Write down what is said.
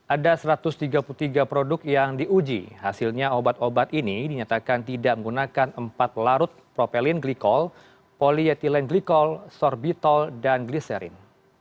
ada satu ratus tiga puluh tiga produk yang diuji hasilnya obat obat ini dinyatakan tidak menggunakan empat larut propelin glikol polietyleng glikol sorbitol dan gliserin